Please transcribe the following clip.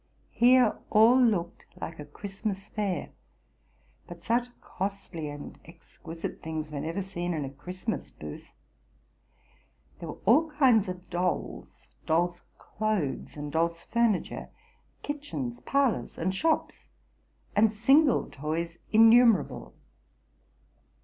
Here all looked like a Christmas fair, but such costly and exquisite things were never seen in a Christmas booth. There were all kinds of dolls, dolls' clothes, and dolls' furniture ; kitchens, parlors, and shops, and single toys innumerable.